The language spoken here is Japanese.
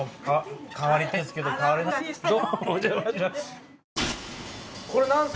変わりたいんですけど変われないんです。